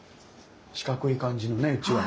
四角い感じのねうちわ。